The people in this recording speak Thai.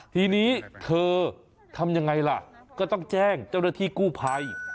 ทีนี้เธอทำยังไงล่ะก็ต้องแจ้งเจ้าหน้าที่กู้ภัย